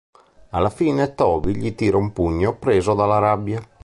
Alla fine, Toby gli tira un pugno preso dalla rabbia.